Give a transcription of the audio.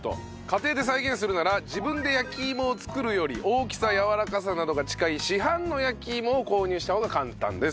家庭で再現するなら自分で焼き芋を作るより大きさやわらかさなどが近い市販の焼き芋を購入した方が簡単ですという事で。